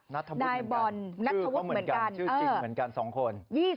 นายบอลนัทธวุฒิเหมือนกันชื่อจริงเหมือนกัน๒คน